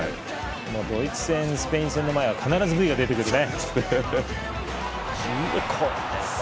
ドイツ戦、スペイン戦の前は必ずＶが出てくるね。